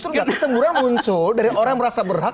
kecemburan muncul dari orang yang merasa berhak